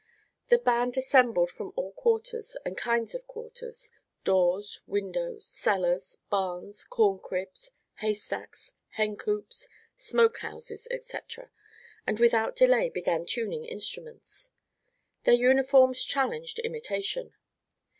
The band assembled from all quarters and kinds of quarters doors, windows, cellars, barns, corn cribs, hay stacks, hencoops, smoke houses, etc., and without delay began tuning instruments. Their uniforms challenged imitation.